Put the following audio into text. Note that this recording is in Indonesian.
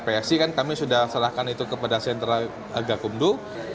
psi kan kami sudah serahkan itu kepada sentra gakumdu